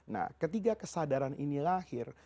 nah ketiga kesadaran ini lahir